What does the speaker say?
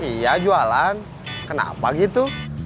iya jualan kenapa gitu